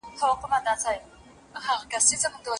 الحجر سورت په {ا.ل . ر} شروع سوی دی.